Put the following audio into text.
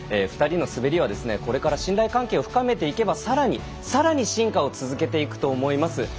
２人の滑りはこれから信頼関係を深めていけばさらに進化を続けていくと思います。